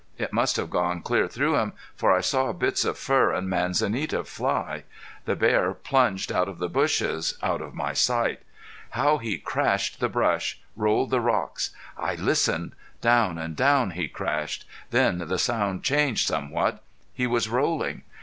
It must have gone clear through him for I saw bits of fur and manzanita fly. The bear plunged out of the bushes out of my sight. How he crashed the brush rolled the rocks! I listened. Down and down he crashed. Then the sound changed somewhat. He was rolling.